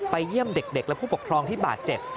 เยี่ยมเด็กและผู้ปกครองที่บาดเจ็บ